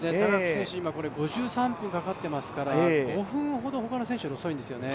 ５３分かかっていますから、５分ほど他の選手より遅いんですよね。